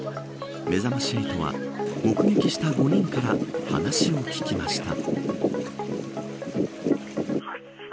めざまし８は目撃した５人から話を聞きました。